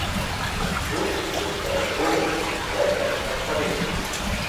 Bûk ji sêrgo dewlet ji Xwedê